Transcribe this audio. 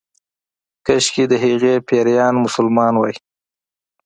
کشکې د هغې پيريان مسلمان وای